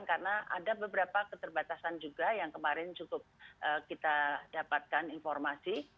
karena ada beberapa keterbatasan juga yang kemarin cukup kita dapatkan informasi